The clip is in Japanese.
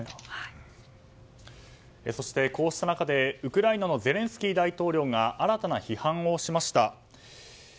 そして、こうした中でウクライナのゼレンスキー大統領が新たな批判をしました。